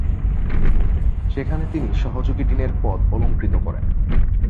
সেখানে তিনি সহযোগী ডিনের পদ অলঙ্কৃত করেন।